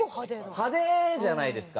派手じゃないですか。